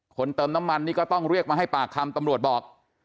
เติมน้ำมันนี่ก็ต้องเรียกมาให้ปากคำตำรวจบอก